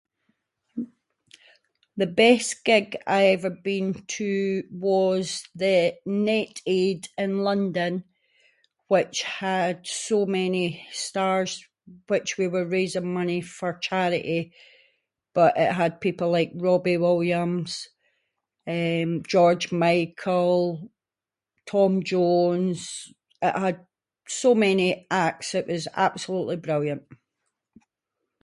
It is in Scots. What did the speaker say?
The best gig I ever been to was the NetAid in London, which had so many stars, which we were raising money for charity, but it had people like Robbie Williams, eh, George Michael, Tom Jones, it had so many acts. It was absolutely brilliant.